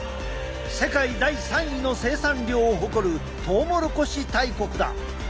世界第３位の生産量を誇るトウモロコシ大国だ。